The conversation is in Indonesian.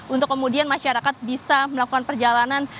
untuk kemudian masyarakat bisa melakukan perjalanan